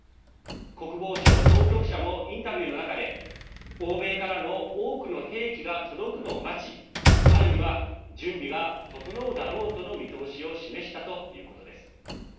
国防省当局者もインタビューの中で欧米からの多くの兵器が届くのを待ち春には、準備が整うだろうとの見通しを示したということです。